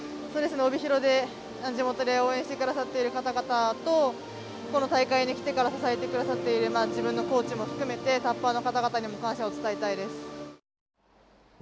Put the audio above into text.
帯広で地元で応援してくださっている方々とこの大会に来てから支えてくださっている自分のコーチも含めてタッパーの方々にも感謝を伝えたいです。